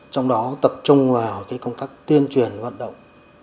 trong đó tập trung vào cái công tác tiên truyền hoạt động